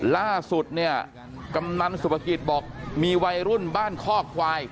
ล่าสุดเนี่ยกำนันสุภกิจบอกมีวัยรุ่นบ้านคอกควาย